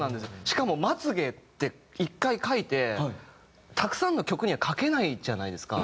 しかも「まつ毛」って１回書いてたくさんの曲には書けないじゃないですか。